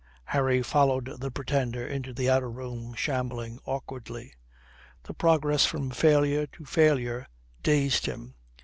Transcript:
Harry followed the Pretender into the outer room, shambling awkwardly. The progress from failure to failure dazed him.